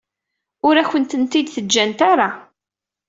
Ur akent-tent-id-ǧǧant ara.